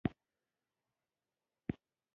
فرمان